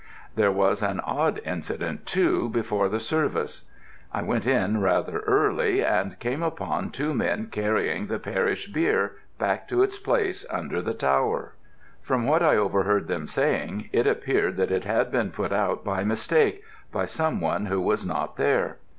There was an odd incident, too, before the service. I went in rather early, and came upon two men carrying the parish bier back to its place under the tower. From what I overheard them saying, it appeared that it had been put out by mistake, by some one who was not there.